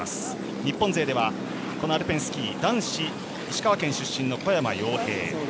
日本勢ではアルペンスキー男子、石川県出身の小山陽平。